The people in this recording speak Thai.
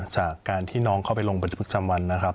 จากการที่น้องเข้าไปลงบันทึกจำวันนะครับ